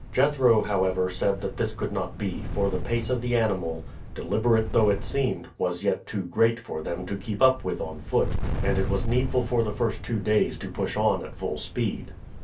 Jethro, however, said that this could not be, for the pace of the animal, deliberate though it seemed, was yet too great for them to keep up with on foot, and it was needful for the first two days to push on at full speed.